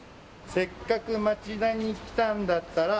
「せっかく町田に来たんだったら」